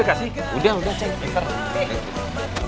aku tapi saya suruh tanya